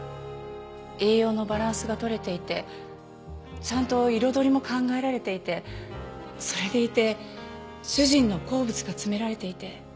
栄養のバランスが取れていてちゃんと彩りも考えられていてそれでいて主人の好物が詰められていて。